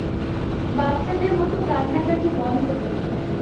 বাচ্চাদের মত কান্নাকাটি বন্ধ করুন।